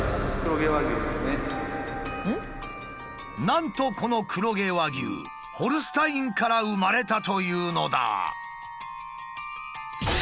なんとこの黒毛和牛ホルスタインから産まれたというのだ。